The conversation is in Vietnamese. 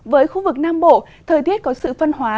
với khu vực nam bộ thời tiết có sự phân hóa